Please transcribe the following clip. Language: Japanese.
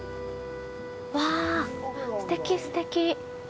わあ、すてきすてき。